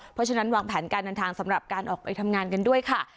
เพราะฉะนั้นวางแผนการเดินทางสำหรับการออกไปทำงานกันด้วยค่ะ